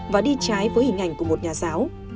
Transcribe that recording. và đi trái với hình ảnh của một nhà giáo